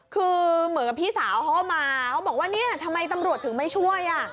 เขาบอกว่านี่ทำไมตำรวจถึงไม่ช่วย